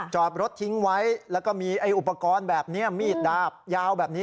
จอดรถทิ้งไว้แล้วก็มีอุปกรณ์แบบนี้มีดดาบยาวแบบนี้